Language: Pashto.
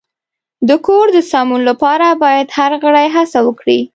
د کور د سمون لپاره باید هر غړی هڅه وکړي.